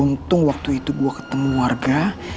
untung waktu itu gue ketemu warga